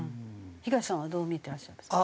東さんはどう見てらっしゃいますか？